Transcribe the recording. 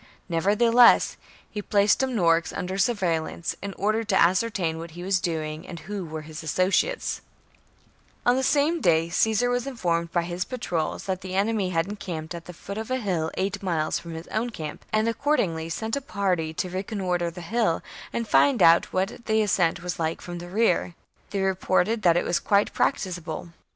Nevertheless he placed Dumnorix under surveil lance, in order to ascertain what he was doing and who were his associates. V His abortive 2 1. On the samc day Caesar was informed by attempt to 1,1 11 , 1 surprise the his oatrols that the enemy had encamped at the Helvetii. ^ i r 1 • foot of a hill eight miles from his own camp, and accordingly sent a party to reconnoitre the hill and find out what the ascent was like from the rear. They reported that it was quite prac ticable.